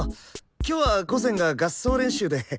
今日は午前が合奏練習で。